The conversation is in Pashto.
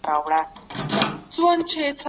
ديموکراسي د خلګو د ګډون معنا لري.